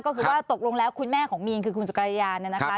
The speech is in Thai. ก็คือว่าตกลงแล้วคุณแม่ของมีนคือคุณสุกรยาเนี่ยนะคะ